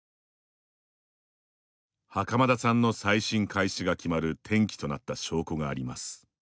袴田さんの再審開始が決まる転機となった証拠があります。